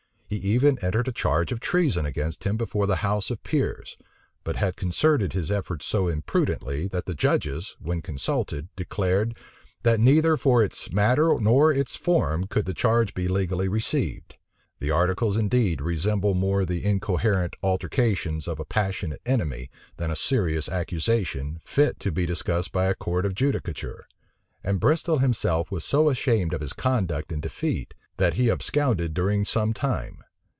He even entered a charge of treason against him before the house of peers; but had concerted his measures so imprudently, that the judges, when consulted, declared, that neither for its matter nor its form could the charge be legally received. The articles indeed resemble more the incoherent altercations of a passionate enemy, than a serious accusation, fit to be discussed by a court of judicature; and Bristol himself was so ashamed of his conduct and defeat, that he absconded during some time.